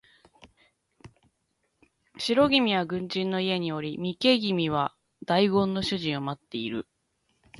白君は軍人の家におり三毛君は代言の主人を持っている